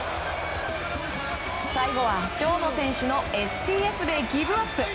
最後は蝶野選手のＳＴＦでギブアップ。